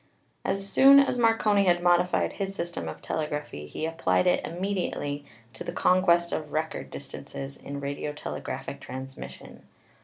As soon as Marconi had modified his system of telegraphy he applied it immediately to the conquest of record dis tances in radiotelegraphic transmission.